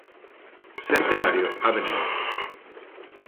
Centenario- Av.